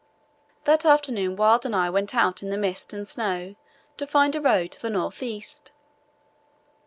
That afternoon Wild and I went out in the mist and snow to find a road to the north east.